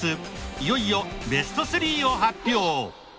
いよいよベスト３を発表。